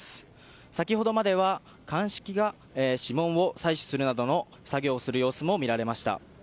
先ほどまでは鑑識が指紋を採取するなどの作業をする様子も見られました。